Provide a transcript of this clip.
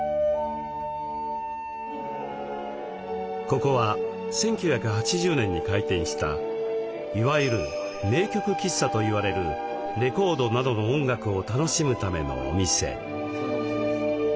ここは１９８０年に開店したいわゆる名曲喫茶といわれるレコードなどの音楽を楽しむためのお店。